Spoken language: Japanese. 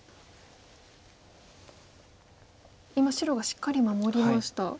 今白がしっかり守りました。